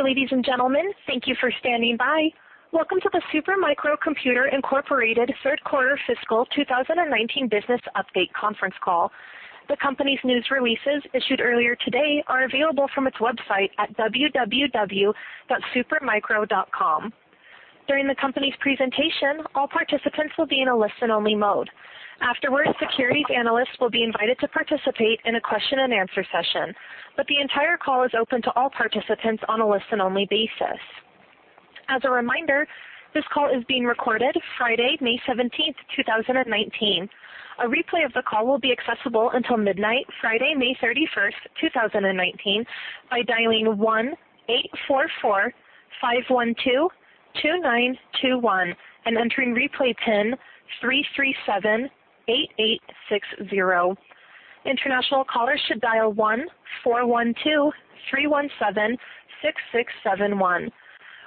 Good day, ladies and gentlemen. Thank you for standing by. Welcome to the Super Micro Computer, Inc. third quarter fiscal 2019 business update conference call. The company's news releases issued earlier today are available from its website at www.supermicro.com. During the company's presentation, all participants will be in a listen-only mode. Afterwards, securities analysts will be invited to participate in a question and answer session, but the entire call is open to all participants on a listen-only basis. As a reminder, this call is being recorded Friday, May 17th, 2019. A replay of the call will be accessible until midnight, Friday, May 31st, 2019 by dialing 1-844-512-2921 and entering replay pin 3378860. International callers should dial 1-412-317-6671.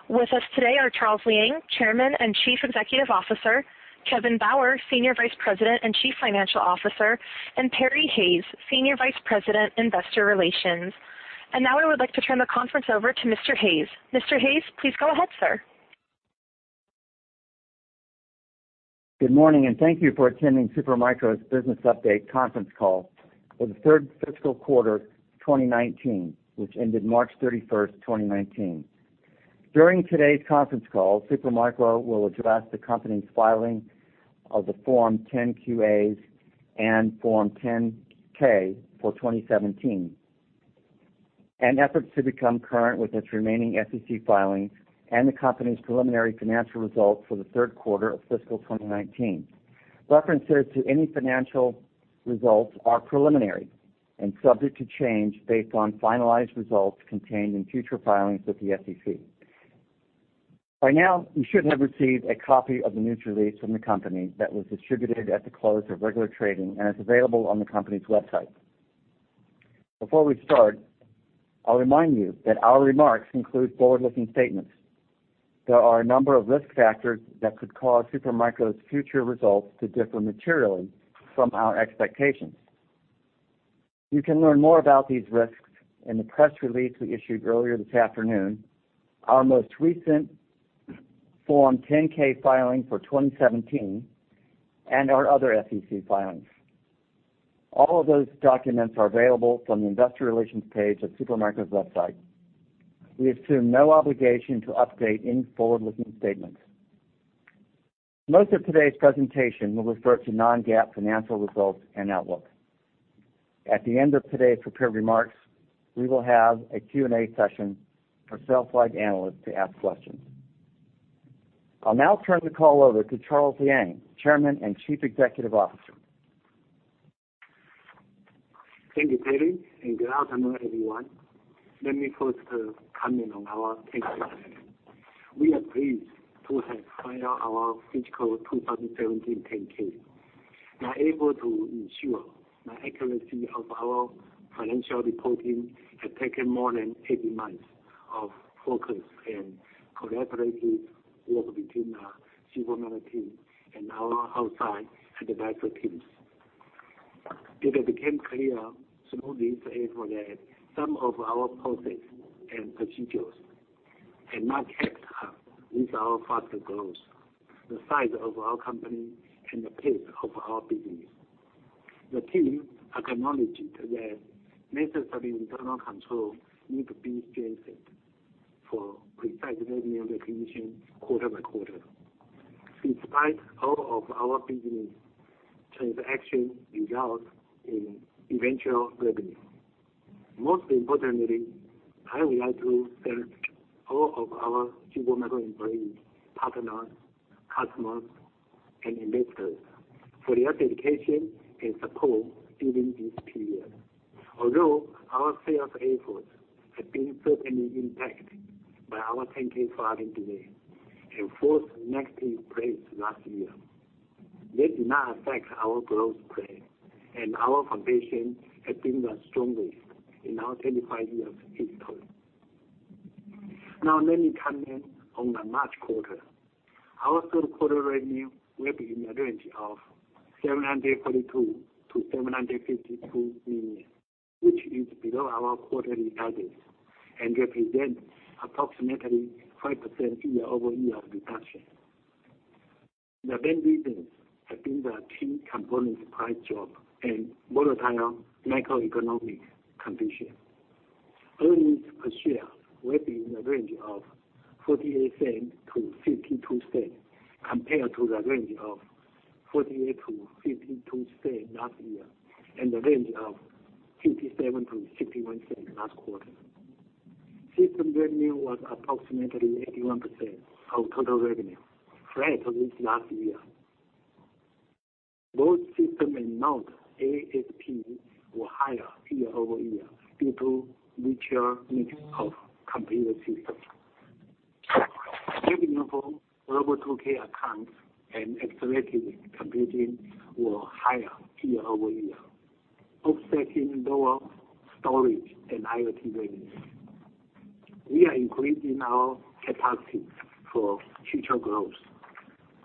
With us today are Charles Liang, Chairman and Chief Executive Officer, Kevin Bauer, Senior Vice President and Chief Financial Officer, and Perry Hayes, Senior Vice President, Investor Relations. Now I would like to turn the conference over to Mr. Hayes. Mr. Hayes, please go ahead, sir. Good morning. Thank you for attending Super Micro's business update conference call for the third fiscal quarter 2019, which ended March 31st, 2019. During today's conference call, Super Micro will address the company's filing of the Form 10-Q and Form 10-K for 2017, and efforts to become current with its remaining SEC filings and the company's preliminary financial results for the third quarter of fiscal 2019. References to any financial results are preliminary and subject to change based on finalized results contained in future filings with the SEC. By now, you should have received a copy of the news release from the company that was distributed at the close of regular trading and is available on the company's website. Before we start, I'll remind you that our remarks include forward-looking statements. There are a number of risk factors that could cause Super Micro's future results to differ materially from our expectations. You can learn more about these risks in the press release we issued earlier this afternoon, our most recent Form 10-K filing for 2017, and our other SEC filings. All of those documents are available from the investor relations page of Super Micro's website. We assume no obligation to update any forward-looking statements. Most of today's presentation will refer to non-GAAP financial results and outlook. At the end of today's prepared remarks, we will have a Q&A session for sell-side analysts to ask questions. I'll now turn the call over to Charles Liang, Chairman and Chief Executive Officer. Thank you, Perry, and good afternoon, everyone. Let me first comment on our 10-K filing. We are pleased to have filed our fiscal 2017 10-K. We are able to ensure the accuracy of our financial reporting has taken more than 18 months of focus and collaborative work between our Super Micro team and our outside advisor teams. It has become clear through this effort that some of our process and procedures had not kept up with our faster growth, the size of our company, and the pace of our business. The team acknowledged that necessary internal control need to be strengthened for precise revenue recognition quarter by quarter, despite all of our business transaction results in eventual revenue. Most importantly, I would like to thank all of our Super Micro employees, partners, customers, and investors for their dedication and support during this period. Although our sales efforts have been certainly impacted by our 10-K filing delay and forced negative press last year, that did not affect our growth plan and our foundation has been the strongest in our 25 years' history. Now let me comment on the March quarter. Our third quarter revenue will be in the range of $742 million-$752 million, which is below our quarterly guidance and represents approximately 5% year-over-year reduction. The main reasons have been the key components price drop and volatile macroeconomic condition. Earnings per share will be in the range of $0.48-$0.52, compared to the range of $0.48-$0.52 last year and the range of $0.57-$0.61 last quarter. System revenue was approximately 81% of total revenue, flat with last year. Both system and node ASP were higher year-over-year due to richer mix of computer systems. Revenue for Robo2K accounts and accelerated computing were higher year-over-year, offsetting lower storage and IoT revenues. We are increasing our capacity for future growth.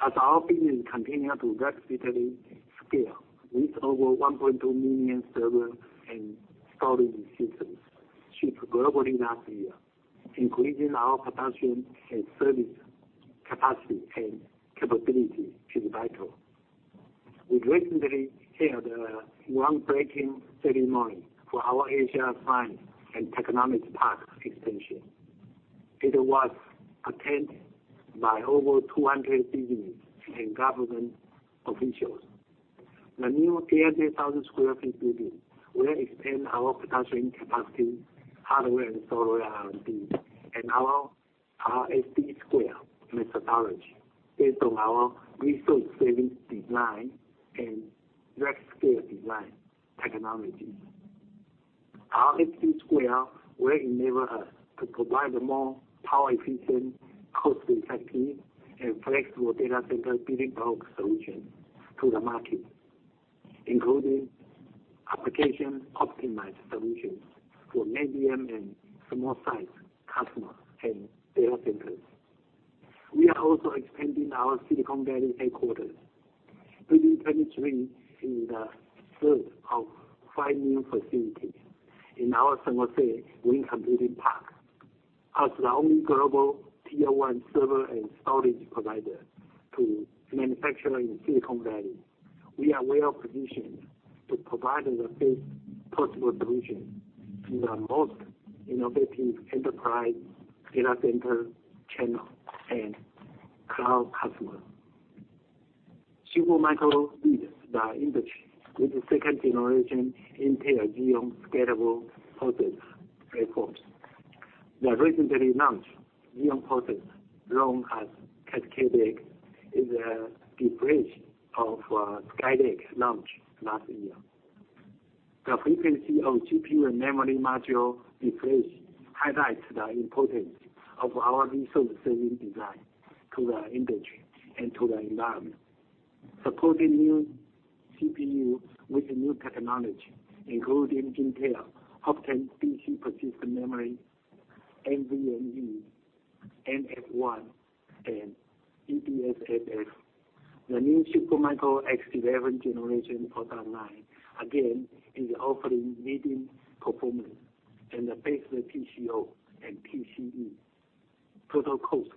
As our business continue to rapidly scale with over 1.2 million server and storage systems shipped globally last year, increasing our production and service capacity and capability is vital. We recently held a groundbreaking ceremony for our Supermicro Science and Technology Park expansion. It was attended by over 200 business and government officials. The new 88,000 sq ft building will expand our production capacity, hardware and software R&D, and our SD-Square methodology based on our resource-saving design and large scale design technologies. Our SD-Square will enable us to provide a more power efficient, cost-effective, and flexible data center build out solution to the market, including application optimized solutions for medium and small sized customers and data centers. We are also expanding our Silicon Valley headquarters, building 23 in the third of five new facilities in our San Jose Supermicro Green Computing Park. As the only global tier 1 server and storage provider to manufacture in Silicon Valley, we are well positioned to provide the best possible solutions to the most innovative enterprise data center channel and cloud customers. Super Micro leads the industry with the 2nd Generation Intel Xeon Scalable processors. The recently launched Xeon processors, known as Cascade Lake, is a refresh of Skylake launch last year. The frequency of GPU and memory module refresh highlights the importance of our resource-saving design to the industry and to the environment. Supporting new CPU with new technology, including Intel Optane DC persistent memory, NVMe, NF1, and EDSFF. The new Super Micro X11 generation product line, again, is offering leading performance and the best TCO and TCE total cost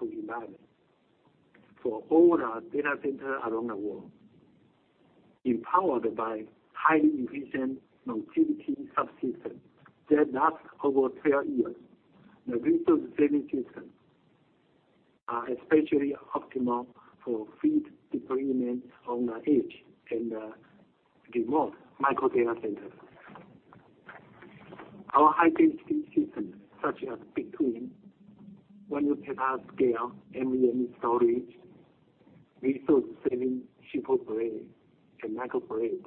to environment for all the data center around the world, empowered by highly efficient non-volatile subsystem that last over 12 years. The resource-saving systems are especially optimal for fleet deployment on the edge and the remote micro data centers. Our high-density systems, such as BigTwin, one of petascale NVMe storage, resource-saving SuperBlade and MicroBlade,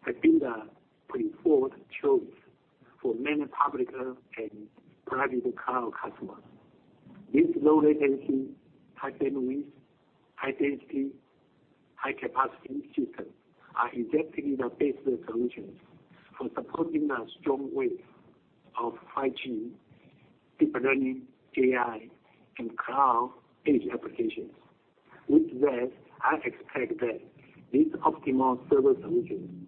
have been the preferred choice for many public and private cloud customers. These low latency, high bandwidth, high density, high capacity systems are exactly the best solutions for supporting a strong wave of 5G, deep learning, AI, and cloud age applications. I expect that these optimal server solutions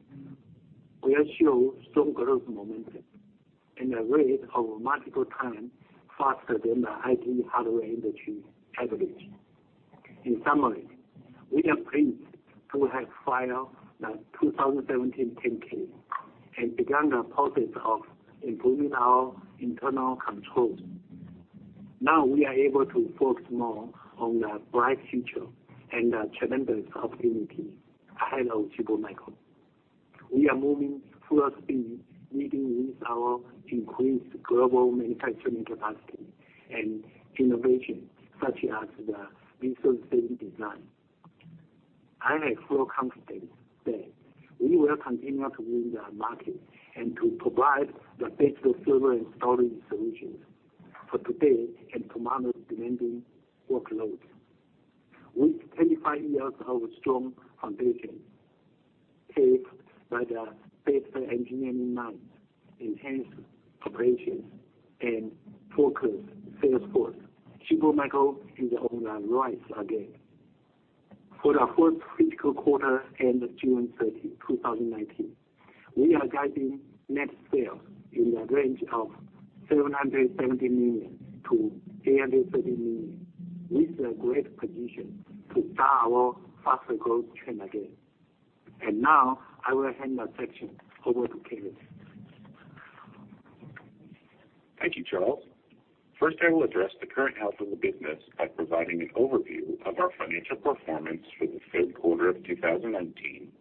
will show strong growth momentum and a rate of multiple times faster than the IT hardware industry average. In summary, we are pleased to have filed the 2017 10-K and begun the process of improving our internal controls. Now we are able to focus more on the bright future and the tremendous opportunity ahead of Super Micro. We are moving full speed, leading with our increased global manufacturing capacity and innovation, such as the resource-saving design. I am fully confident that we will continue to win the market and to provide the best server and storage solutions for today and tomorrow's demanding workloads. With 25 years of a strong foundation, paced by the best engineering minds, enhanced operations, and focused sales force, Super Micro is on the rise again. For the first fiscal quarter ended June 30, 2019, we are guiding net sales in the range of $770 million-$830 million, with a great position to start our faster growth trend again. I will hand the section over to Kevin. Thank you, Charles. First, I will address the current health of the business by providing an overview of our financial performance for the third quarter of 2019.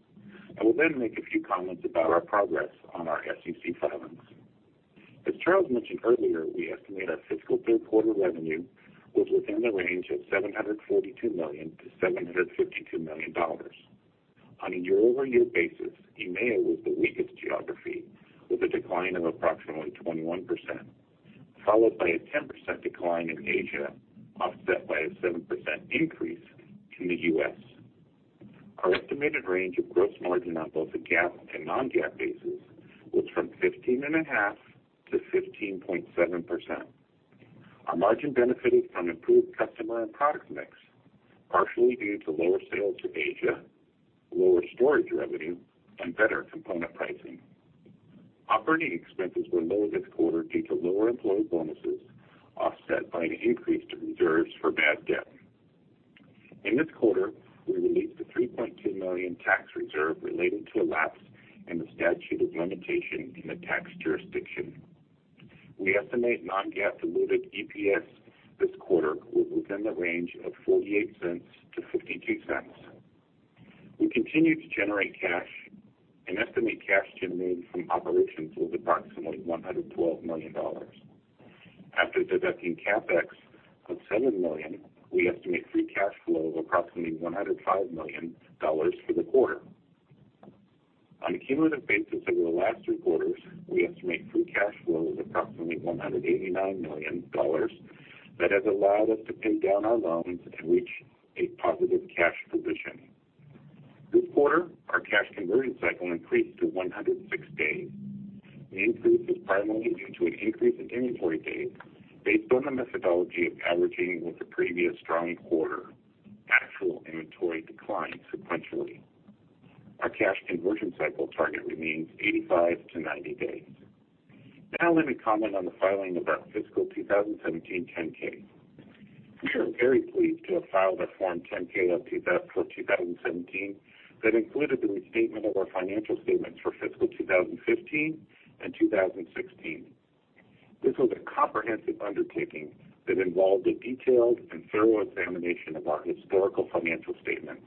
I will then make a few comments about our progress on our SEC filings. As Charles mentioned earlier, we estimate our fiscal third quarter revenue was within the range of $742 million-$752 million. On a year-over-year basis, EMEA was the weakest geography, with a decline of approximately 21%, followed by a 10% decline in Asia, offset by a 7% increase in the U.S. Our estimated range of gross margin on both a GAAP and non-GAAP basis was from 15 and a half%-15.7%. Our margin benefited from improved customer and product mix, partially due to lower sales to Asia, lower storage revenue, and better component pricing. Operating expenses were low this quarter due to lower employee bonuses, offset by an increase to reserves for bad debt. In this quarter, we released a $3.2 million tax reserve relating to a lapse in the statute of limitation in the tax jurisdiction. We estimate non-GAAP diluted EPS this quarter was within the range of $0.48-$0.52. We continue to generate cash, and estimate cash generated from operations was approximately $112 million. After deducting CapEx of $7 million, we estimate free cash flow of approximately $105 million for the quarter. On a cumulative basis over the last three quarters, we estimate free cash flow of approximately $189 million that has allowed us to pay down our loans and reach a positive cash position. This quarter, our cash conversion cycle increased to 106 days. The increase was primarily due to an increase in inventory days based on the methodology of averaging with the previous drawing quarter. Actual inventory declined sequentially. Our cash conversion cycle target remains 85 to 90 days. Let me comment on the filing of our fiscal 2017 10-K. We are very pleased to have filed our form 10-K for 2017 that included the restatement of our financial statements for fiscal 2015 and 2016. This was a comprehensive undertaking that involved a detailed and thorough examination of our historical financial statements,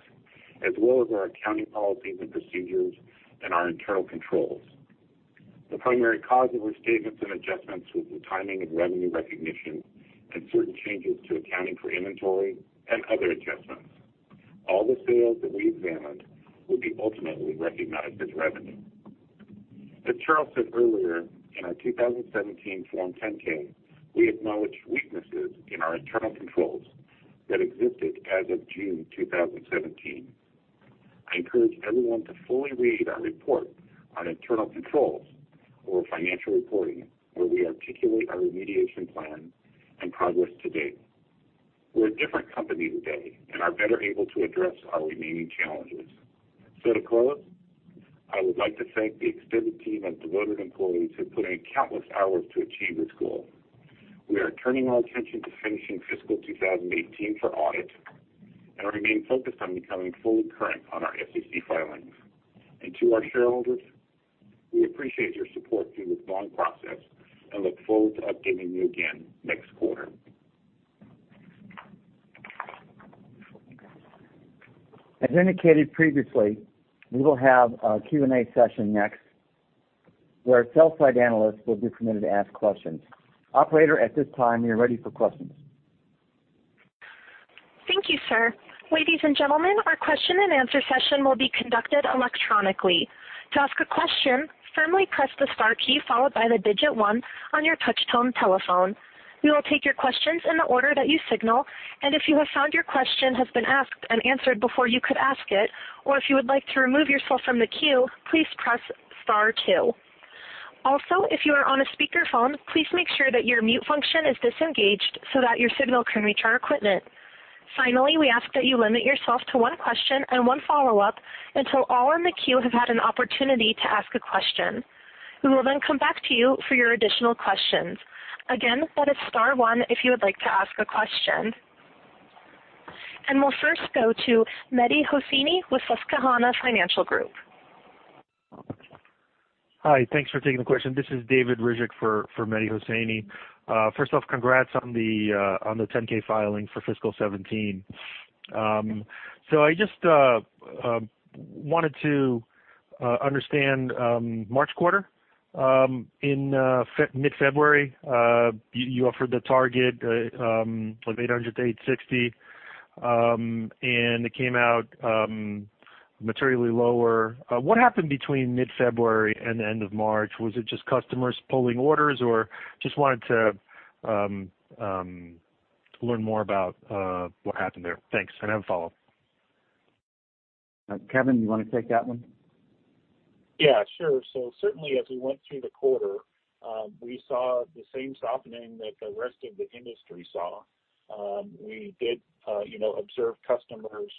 as well as our accounting policies and procedures and our internal controls. The primary cause of restatements and adjustments was the timing of revenue recognition and certain changes to accounting for inventory, and other adjustments. All the sales that we examined will be ultimately recognized as revenue. As Charles said earlier, in our 2017 Form 10-K, we acknowledged weaknesses in our internal controls that existed as of June 2017. I encourage everyone to fully read our report on internal controls or financial reporting, where we articulate our remediation plan and progress to date. We are a different company today and are better able to address our remaining challenges. To close, I would like to thank the extended team and devoted employees who put in countless hours to achieve this goal. We are turning our attention to finishing fiscal 2018 for audit and remain focused on becoming fully current on our SEC filings. To our shareholders, we appreciate your support through this long process and look forward to updating you again next quarter. As indicated previously, we will have a Q&A session next, where sell-side analysts will be permitted to ask questions. Operator, at this time, we are ready for questions. Thank you, sir. Ladies and gentlemen, our question and answer session will be conducted electronically. To ask a question, firmly press the star followed by the 1 on your touch-tone telephone. We will take your questions in the order that you signal, and if you have found your question has been asked and answered before you could ask it, or if you would like to remove yourself from the queue, please press star 2. Also, if you are on a speakerphone, please make sure that your mute function is disengaged so that your signal can reach our equipment. Finally, we ask that you limit yourself to 1 question and 1 follow-up until all in the queue have had an opportunity to ask a question. We will then come back to you for your additional questions. Again, that is star 1 if you would like to ask a question. We'll first go to Mehdi Hosseini with Susquehanna Financial Group. Hi. Thanks for taking the question. This is David Rizik for Mehdi Hosseini. First off, congrats on the 10-K filing for fiscal 2017. I just wanted to understand March quarter. In mid-February, you offered the target of $800 million-$860 million, and it came out materially lower. What happened between mid-February and the end of March? Was it just customers pulling orders? I just wanted to learn more about what happened there. Thanks, and I have a follow-up. Kevin, you want to take that one? Certainly as we went through the quarter, we saw the same softening that the rest of the industry saw. We did observe customers'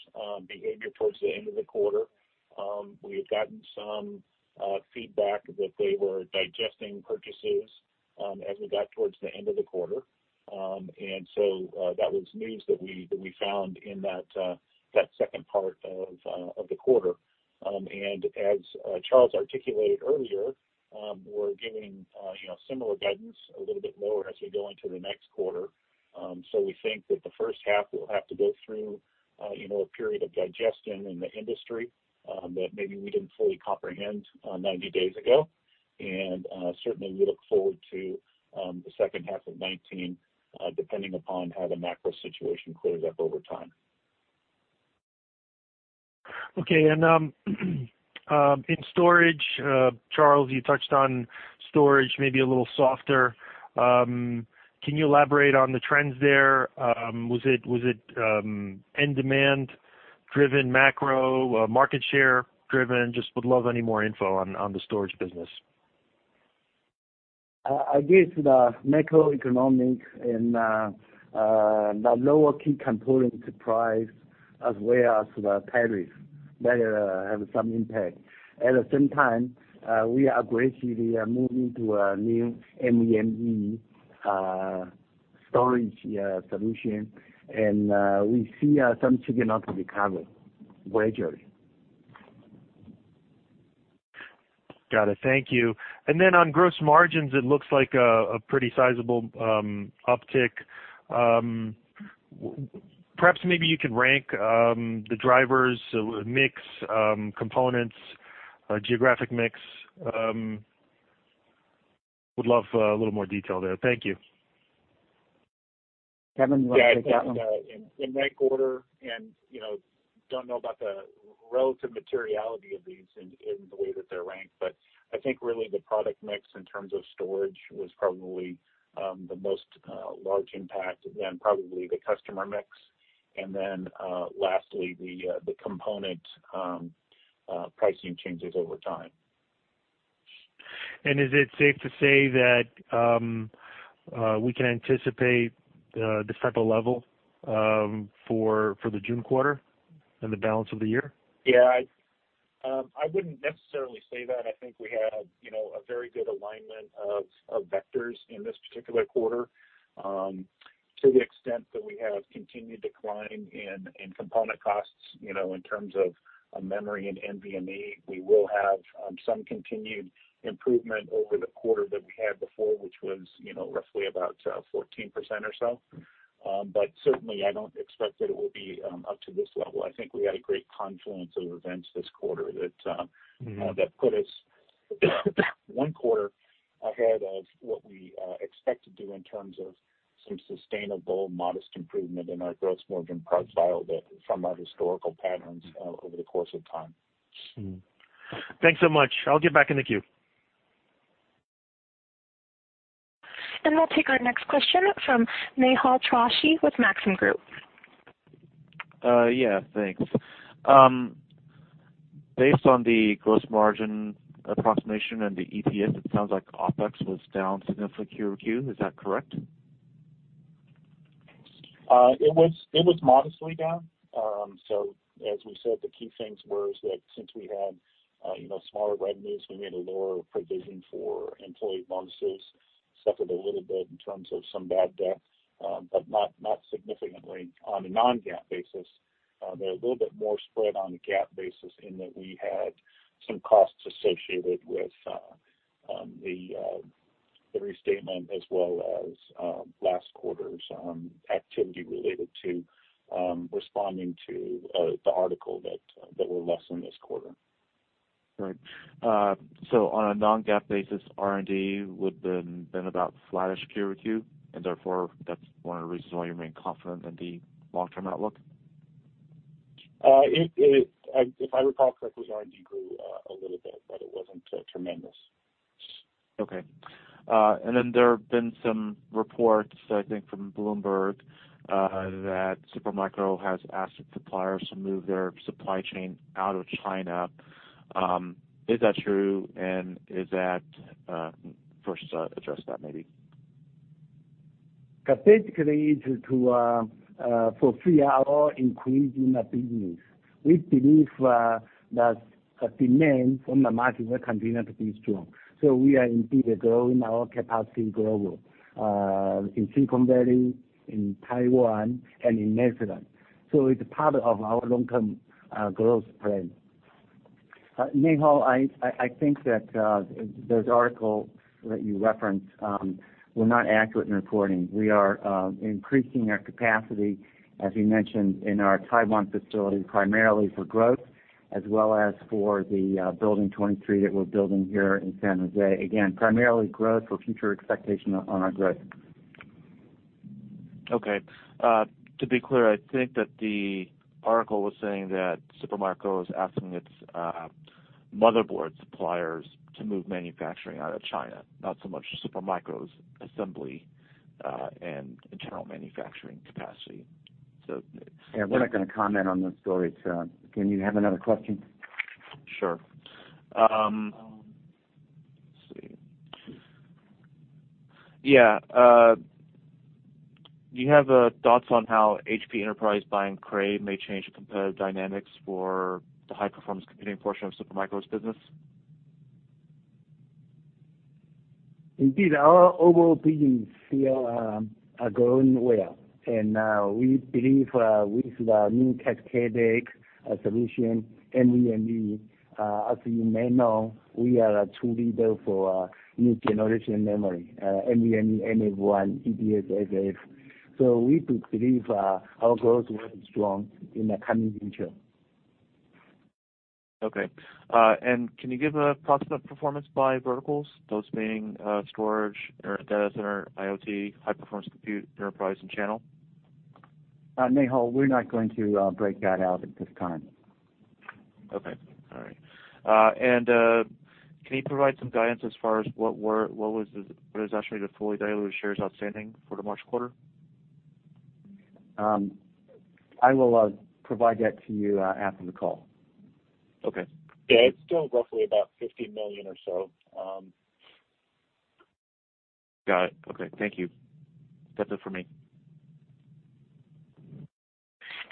behavior towards the end of the quarter. We had gotten some feedback that they were digesting purchases as we got towards the end of the quarter. That was news that we found in that second part of the quarter. As Charles articulated earlier, we're giving similar guidance, a little bit lower as we go into the next quarter. We think that the first half will have to go through a period of digestion in the industry that maybe we didn't fully comprehend 90 days ago. Certainly we look forward to the second half of 2019, depending upon how the macro situation clears up over time. Okay. In storage, Charles, you touched on storage may be a little softer. Can you elaborate on the trends there? Was it end demand driven, macro, market share driven? Just would love any more info on the storage business. I guess the macroeconomic and the lower key component price, as well as the tariff, that have some impact. At the same time, we are aggressively moving to a new NVMe storage solution, and we see some signal of recovery gradually. Got it. Thank you. Then on gross margins, it looks like a pretty sizable uptick. Perhaps maybe you could rank the drivers, mix, components, geographic mix. Would love a little more detail there. Thank you. Kevin, you want to take that one? Yeah, I think in that quarter, don't know about the relative materiality of these in the way that they're ranked, I think really the product mix in terms of storage was probably the most large impact, probably the customer mix, and lastly, the component pricing changes over time. Is it safe to say that we can anticipate this type of level for the June quarter and the balance of the year? Yeah. I wouldn't necessarily say that. I think we had a very good alignment of vectors in this particular quarter, to the extent that we have continued decline in component costs, in terms of memory and NVMe. We will have some continued improvement over the quarter that we had before, which was roughly about 14% or so. Certainly, I don't expect that it will be up to this level. I think we had a great confluence of events this quarter that put us one quarter ahead of what we expect to do in terms of some sustainable, modest improvement in our gross margin profile from our historical patterns over the course of time. Thanks so much. I'll get back in the queue. We'll take our next question from Nehal Chokshi with Maxim Group. Yeah, thanks. Based on the gross margin approximation and the EPS, it sounds like OpEx was down significantly Q over Q. Is that correct? It was modestly down. As we said, the key things were is that since we had smaller revenues, we made a lower provision for employee bonuses, suffered a little bit in terms of some bad debt, but not significantly on a non-GAAP basis. They're a little bit more spread on a GAAP basis in that we had some costs associated with the restatement as well as last quarter's activity related to responding to the article that were less in this quarter. Right. On a non-GAAP basis, R&D would have been about flattish Q over Q, therefore that's one of the reasons why you remain confident in the long-term outlook? If I recall correctly, R&D grew a little bit, it wasn't tremendous. Okay. There have been some reports, I think from Bloomberg, that Super Micro has asked suppliers to move their supply chain out of China. Is that true? First, address that, maybe. Basically, it's to fulfill our increasing business. We believe that the demand from the market will continue to be strong. We are indeed growing our capacity globally, in Silicon Valley, in Taiwan, and in Netherlands. It's part of our long-term growth plan. Nehal, I think that those articles that you referenced were not accurate in reporting. We are increasing our capacity, as we mentioned in our Taiwan facility, primarily for growth as well as for the Building 23 that we're building here in San Jose. Again, primarily growth for future expectation on our growth. Okay. To be clear, I think that the article was saying that Super Micro is asking its motherboard suppliers to move manufacturing out of China, not so much Super Micro's assembly and internal manufacturing capacity. Yeah, we're not going to comment on those stories. Can you have another question? Sure. Let's see. Yeah. Do you have thoughts on how HP Enterprise buying Cray may change the competitive dynamics for the high-performance computing portion of Super Micro's business? Indeed, our overall business here are growing well, and we believe with the new Cascade Lake solution, NVMe, as you may know, we are a true leader for new generation memory, NVMe, NF1, EDSFF. we do believe our growth will be strong in the coming future. Okay. can you give approximate performance by verticals, those being storage or data center, IoT, high performance compute, enterprise, and channel? Nehal, we're not going to break that out at this time. Okay. All right. can you provide some guidance as far as what is actually the fully diluted shares outstanding for the March quarter? I will provide that to you after the call. Okay. Yeah. It's still roughly about $50 million or so. Got it. Okay. Thank you. That's it for me.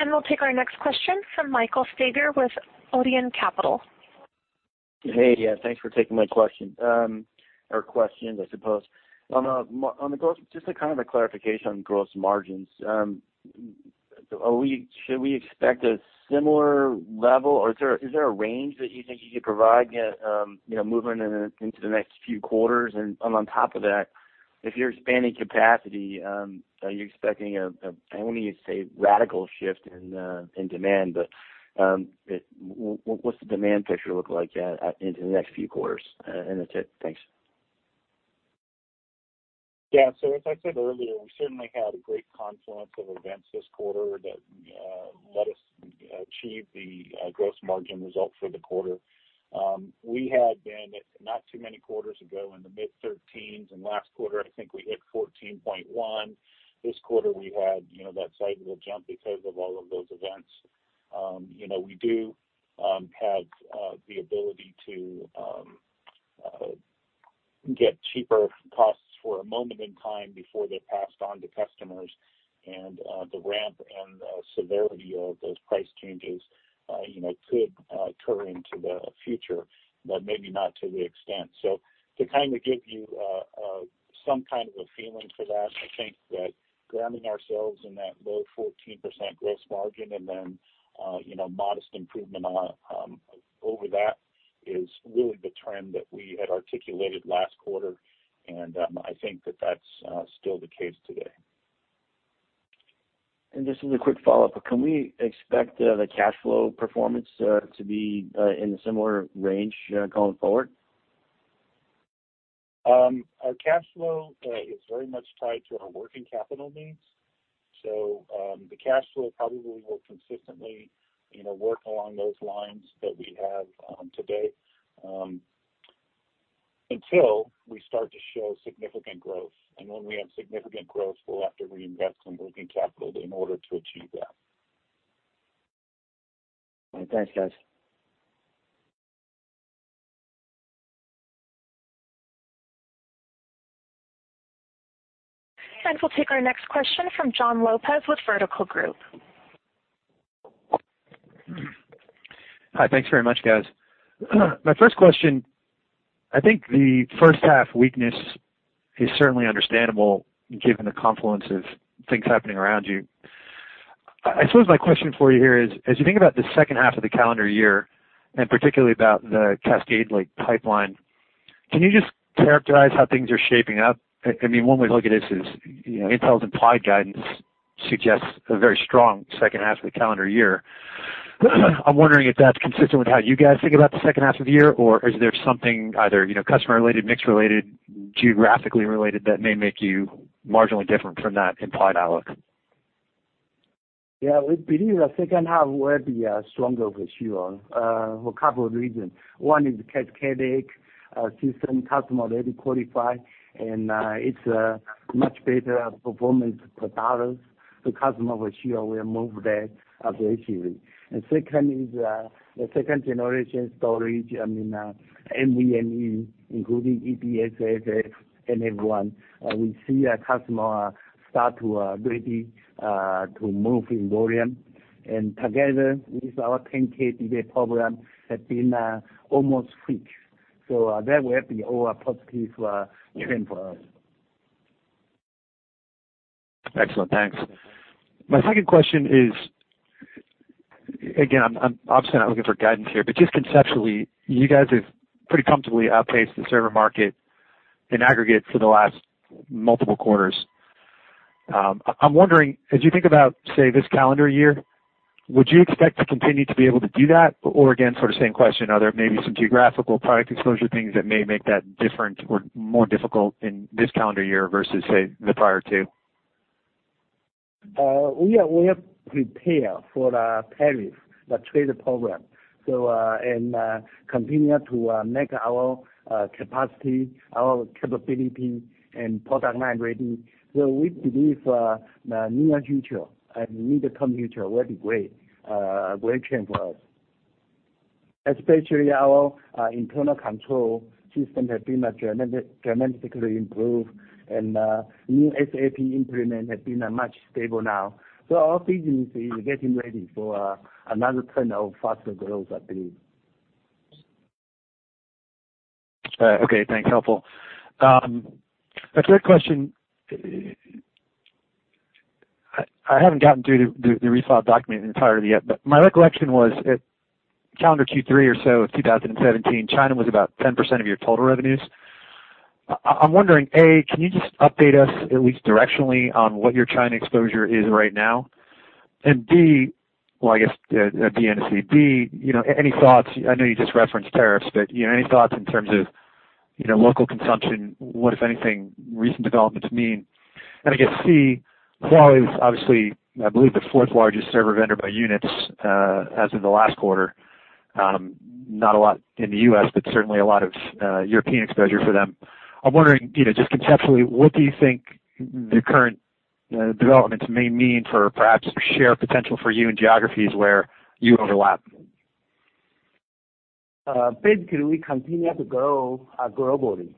We'll take our next question from Michael Staiger with Odeon Capital. Hey. Yeah. Thanks for taking my question, or questions, I suppose. Just a kind of a clarification on gross margins. Should we expect a similar level, or is there a range that you think you could provide, moving into the next few quarters? On top of that, if you're expanding capacity, are you expecting a, I don't want you to say radical shift in demand, but what's the demand picture look like into the next few quarters? That's it. Thanks. Yeah. As I said earlier, we certainly had a great confluence of events this quarter that let us achieve the gross margin result for the quarter. We had been, not too many quarters ago, in the mid thirteens. Last quarter, I think we hit 14.1%. This quarter, we had that sizable jump because of all of those events. We do have the ability to get cheaper costs for a moment in time before they're passed on to customers. The ramp and the severity of those price changes could occur into the future, but maybe not to the extent. To kind of give you some kind of a feeling for that, I think that grounding ourselves in that low 14% gross margin and then modest improvement over that is really the trend that we had articulated last quarter. I think that that's still the case today. Just as a quick follow-up, can we expect the cash flow performance to be in a similar range going forward? Our cash flow is very much tied to our working capital needs. The cash flow probably will consistently work along those lines that we have today, until we start to show significant growth. When we have significant growth, we'll have to reinvest in working capital in order to achieve that. All right. Thanks, guys. We'll take our next question from Jon Lopez with Vertical Group. Hi. Thanks very much, guys. My first question, I think the first half weakness is certainly understandable given the confluence of things happening around you. I suppose my question for you here is: as you think about the second half of the calendar year, and particularly about the Cascade Lake pipeline, can you just characterize how things are shaping up? One way to look at this is Intel's implied guidance suggests a very strong second half of the calendar year. I'm wondering if that's consistent with how you guys think about the second half of the year, or is there something, either customer related, mix related, geographically related, that may make you marginally different from that implied outlook? Yeah. We believe the second half will be stronger for sure, for a couple of reasons. One is the Cascade Lake system. Customer already qualified, and it's a much better performance per dollars. The customer for sure will move there aggressively. Second is the second generation storage, NVMe, including EDSFF, NF1. We see a customer start to ready to move in volume, and together with our 10-K DBA program, have been almost fixed. That will be all a positive trend for us. Excellent. Thanks. My second question is, again, I'm obviously not looking for guidance here, but just conceptually, you guys have pretty comfortably outpaced the server market in aggregate for the last multiple quarters. I'm wondering, as you think about, say, this calendar year, would you expect to continue to be able to do that? Again, sort of same question, are there maybe some geographical product exposure things that may make that different or more difficult in this calendar year versus, say, the prior two? We are well prepared for the tariff, the trade program, and continue to make our capacity, our capability, and product line ready. We believe the near future and mid-term future will be great. A great trend for us. Especially our internal control system has been dramatically improved, and new SAP implement has been much stable now. Our business is getting ready for another trend of faster growth, I believe. Okay, thanks. Helpful. My third question, I haven't gotten through the refile document entirely yet, but my recollection was, at calendar Q3 or so of 2017, China was about 10% of your total revenues. I'm wondering, A, can you just update us at least directionally on what your China exposure is right now? B, any thoughts, I know you just referenced tariffs, but any thoughts in terms of local consumption, what, if anything, recent developments mean? I guess, C, Huawei is obviously, I believe, the fourth largest server vendor by units as of the last quarter. Not a lot in the U.S., but certainly a lot of European exposure for them. I'm wondering, just conceptually, what do you think the current developments may mean for perhaps share potential for you in geographies where you overlap? Basically, we continue to grow globally.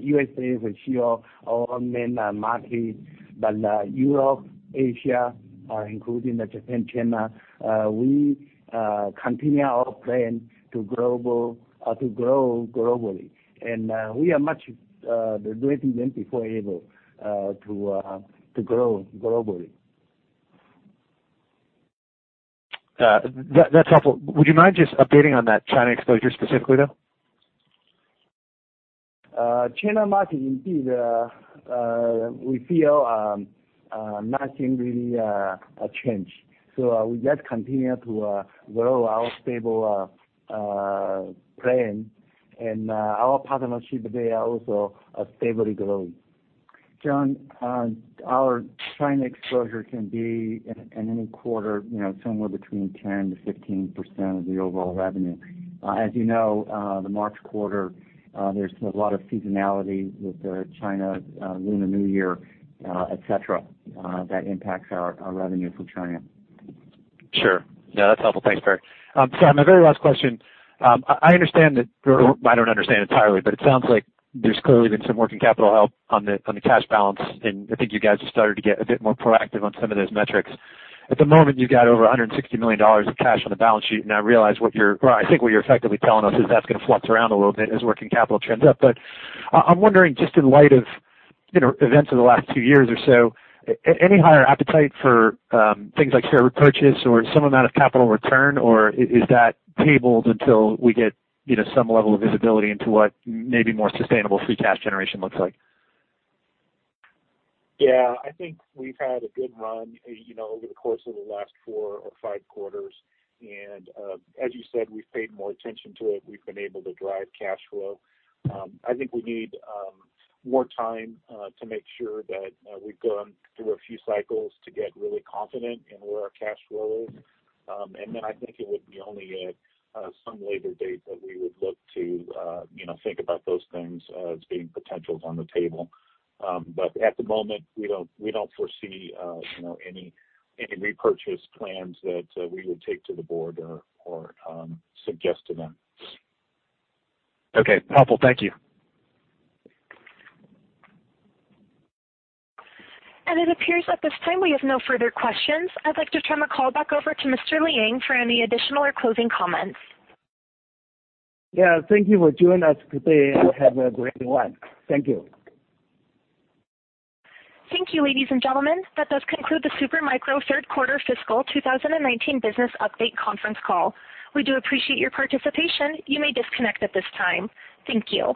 U.S.A. is still our main market, but Europe, Asia, including Japan, China, we continue our plan to grow globally. We are much greater than before able to grow globally. That's helpful. Would you mind just updating on that China exposure specifically, though? China market, indeed, we feel nothing really changed. We just continue to grow our stable plan, and our partnership, they are also stably growing. Jon, our China exposure can be, in any quarter, somewhere between 10%-15% of the overall revenue. As you know, the March quarter, there's a lot of seasonality with the Chinese Lunar New Year, et cetera, that impacts our revenue from China. Sure. No, that's helpful. Thanks, Perry. My very last question, I don't understand entirely, but it sounds like there's clearly been some working capital help on the cash balance, and I think you guys have started to get a bit more proactive on some of those metrics. At the moment, you've got over $160 million of cash on the balance sheet, and I realize or I think what you're effectively telling us is that's going to flux around a little bit as working capital trends up. I'm wondering, just in light of events of the last two years or so, any higher appetite for things like share repurchase or some amount of capital return, or is that tabled until we get some level of visibility into what maybe more sustainable free cash generation looks like? Yeah, I think we've had a good run over the course of the last four or five quarters, and as you said, we've paid more attention to it. We've been able to drive cash flow. I think we need more time to make sure that we've gone through a few cycles to get really confident in where our cash flow is. Then I think it would be only at some later date that we would look to think about those things as being potentials on the table. At the moment, we don't foresee any repurchase plans that we would take to the board or suggest to them. Okay, helpful. Thank you. It appears at this time we have no further questions. I'd like to turn the call back over to Mr. Liang for any additional or closing comments. Yeah. Thank you for joining us today, and have a great one. Thank you. Thank you, ladies and gentlemen. That does conclude the Super Micro third quarter fiscal 2019 business update conference call. We do appreciate your participation. You may disconnect at this time. Thank you.